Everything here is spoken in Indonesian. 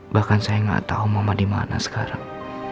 bahkan saya gak tau mama dimana sekarang